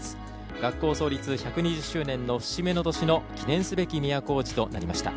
学校創立１２０周年の節目の年の記念すべき都大路となりました。